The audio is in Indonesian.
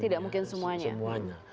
tidak mungkin semuanya